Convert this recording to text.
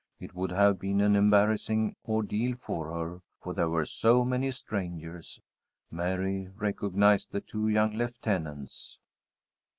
It would have been an embarrassing ordeal for her, for there were so many strangers. Mary recognized the two young lieutenants.